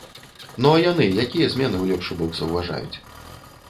Ну, а яны якія змены ў лепшы бок заўважаюць?